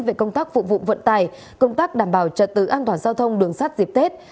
về công tác phục vụ vận tải công tác đảm bảo trật tự an toàn giao thông đường sắt dịp tết